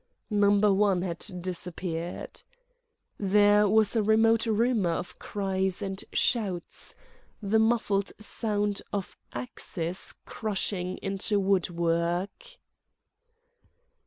Number One had disappeared. There was a remote rumour of cries and shouts, the muffled sound of axes crashing into woodwork....